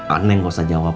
anaknya gak usah jawab